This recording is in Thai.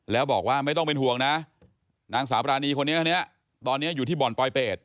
แล้วบอกว่าไม่ต้องเป็นห่วงนะนางสาวปรานีคนนี้ตอนนี้อยู่ที่บ่อนปลอยเป็ด